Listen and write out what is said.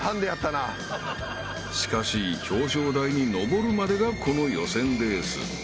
［しかし表彰台に上るまでがこの予選レース］